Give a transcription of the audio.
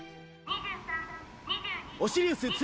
・オシリウス２